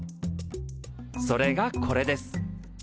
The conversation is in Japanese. それがこれです。